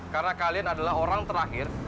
karena kalian adalah orang terakhir